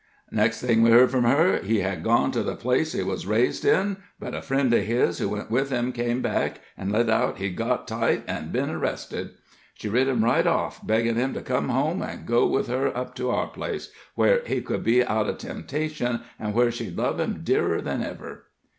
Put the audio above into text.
"Next thing we heard from her, he had gone to the place he was raised in; but a friend of his, who went with him, came back, an' let out he'd got tight, an' been arrested. She writ him right off, beggin' him to come home, and go with her up to our place, where he could be out of temptation an' where she'd love him dearer than ever."